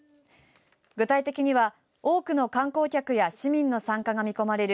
具体的には多くの観光客や市民の参加が見込まれる